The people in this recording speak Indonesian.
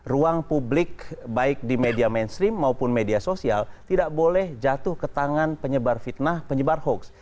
ruang publik baik di media mainstream maupun media sosial tidak boleh jatuh ke tangan penyebar fitnah penyebar hoax